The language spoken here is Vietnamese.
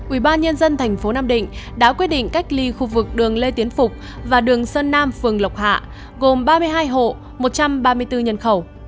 ubnd tp nam định đã quyết định cách ly khu vực đường lê tiến phục và đường sơn nam phường lộc hạ gồm ba mươi hai hộ một trăm ba mươi bốn nhân khẩu